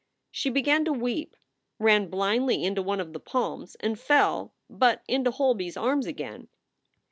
She began to weep, ran blindly into one of the palms, and fell, but into Holby s arms again.